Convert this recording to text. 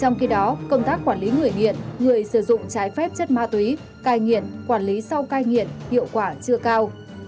trong khi đó công tác quản lý người nghiện người sử dụng trái phép chất ma túy cai nghiện quản lý sau cai nghiện hiệu quả chưa cao